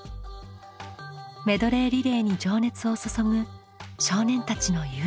メドレーリレーに情熱を注ぐ少年たちの友情の物語です。